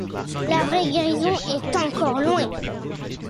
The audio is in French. La vraie guérison est encore loin.